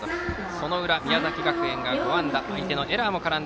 その裏、宮崎学園が５安打。